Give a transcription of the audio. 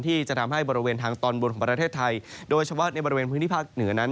ที่จะทำให้บริเวณทางตอนบนของประเทศไทยโดยเฉพาะในบริเวณพื้นที่ภาคเหนือนั้น